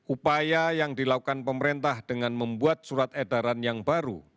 upaya yang dilakukan pemerintah dengan membuat surat edaran yang baru